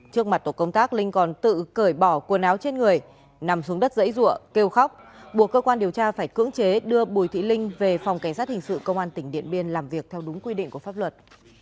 trước mặt tổ công tác linh còn tự cởi bỏ quần áo trên người nằm xuống đất dãy rụa kêu khóc buộc cơ quan điều tra phải cưỡng chế đưa bùi thị linh về phòng cảnh sát hình sự công an tỉnh điện biên làm việc theo đúng quy định của pháp luật